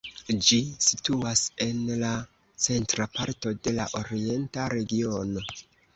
Ĝi situas en la centra parto de la Orienta Regiono.